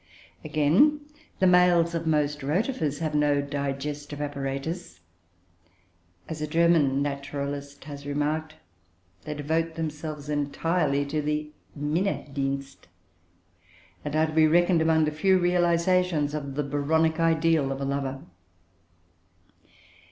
Again, the males of most Rotifers have no digestive apparatus; as a German naturalist has remarked, they devote themselves entirely to the "Minnedienst," and are to be reckoned among the few realisations of the Byronic ideal of a lover.